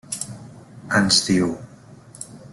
Ens diu: